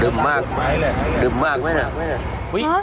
ดึมมากดึมมากดึมมากดึมมาก